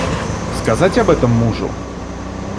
Сказать об этом мужу?